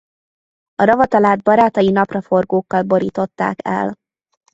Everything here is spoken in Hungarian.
A ravatalát barátai napraforgókkal borították el.